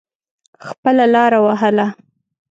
خپله لاره وهله.